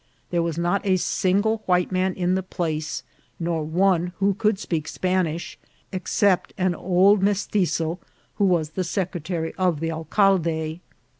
There was not a single white man in the place, nor one who could speak Spanish, except an old Mestitzo, who was the secretary of the alcalde.